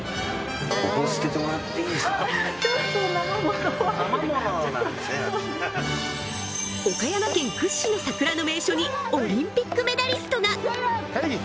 私岡山県屈指の桜の名所にオリンピックメダリストが！